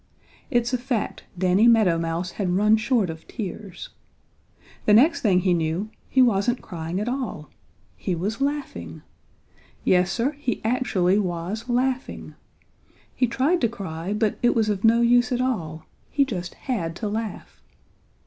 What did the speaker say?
It's a fact, Danny Meadow Mouse had run short of tears. The next thing he knew he wasn't crying at all he was laughing. Yes, Sir, he actually was laughing. He tried to cry, but it was of no use at all; he just had to laugh.